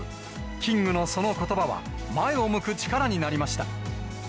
キングのそのことばは、前を向く力になりました。